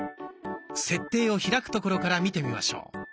「設定」を開くところから見てみましょう。